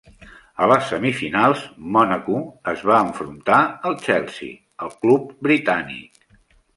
A les semifinals, Mònaco es va enfrontar al Chelsea, el club britànic.